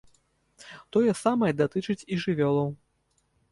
Тое самае датычыць і жывёлаў.